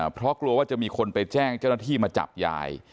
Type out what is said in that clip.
เพราะกลัวว่าจะมีคนไปแจ้งเจ้าหน้าที่มาจับยาย